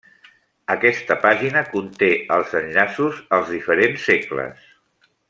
Aquesta pàgina conté els enllaços als diferents segles.